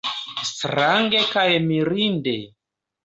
Strange kaj mirinde!